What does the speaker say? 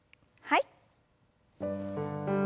はい。